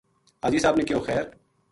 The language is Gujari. حاجی صاحب نے کہیو خیر